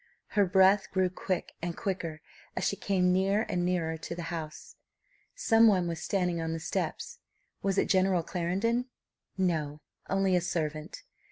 Her breath grew quick and quicker as she came near and nearer to the house. Some one was standing on the steps. Was it General Clarendon? No; only a servant.